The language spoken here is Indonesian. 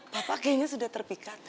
papa kayaknya sudah terpikat